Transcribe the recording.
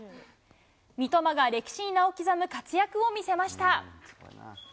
三笘が歴史に名を刻む活躍を見せました。